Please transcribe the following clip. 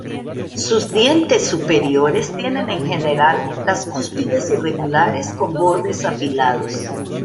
Sus dientes superiores tienen en general las cúspides irregulares con bordes afilados.